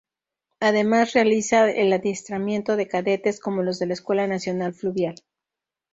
Además, realiza el adiestramiento de cadetes, como los de la Escuela Nacional Fluvial.